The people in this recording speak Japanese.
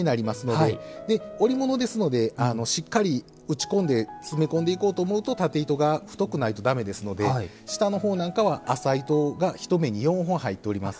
で織物ですのでしっかり打ち込んで詰め込んでいこうと思うと縦糸が太くないと駄目ですので下の方なんかは麻糸が一目に４本入っております。